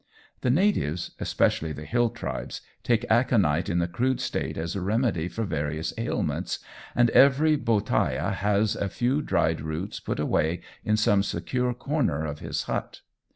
The natives, especially the hill tribes, take aconite in the crude state as a remedy for various ailments, and every Bhotiah has a few dried roots put away in some secure corner of his hut.